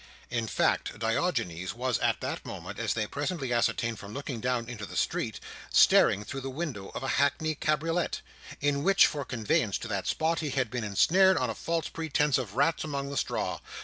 In fact, Diogenes was at that moment, as they presently ascertained from looking down into the street, staring through the window of a hackney cabriolet, into which, for conveyance to that spot, he had been ensnared, on a false pretence of rats among the straw.